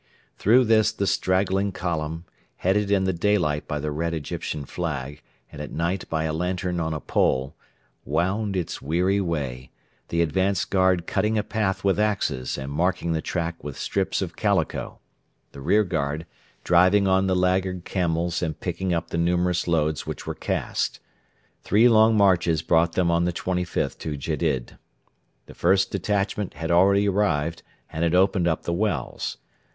Through this the straggling column, headed in the daylight by the red Egyptian flag and at night by a lantern on a pole, wound its weary way, the advanced guard cutting a path with axes and marking the track with strips of calico, the rearguard driving on the laggard camels and picking up the numerous loads which were cast. Three long marches brought them on the 25th to Gedid. The first detachment had already arrived and had opened up the wells.